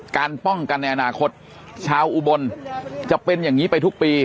การป้องกันในอนาคตชาวอุบลจะเป็นอย่างนี้ไปทุกปี